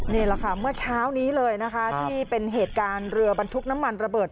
นี่แหละค่ะเมื่อเช้านี้เลยนะคะที่เป็นเหตุการณ์เรือบรรทุกน้ำมันระเบิด